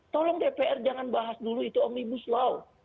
tolong dpr jangan bahas dulu itu omnibus law